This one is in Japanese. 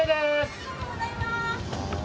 ありがとうございます！